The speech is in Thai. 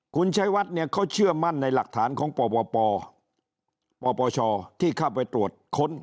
คุณใช้วัดเข้าเชื่อมั่นในหลักฐาน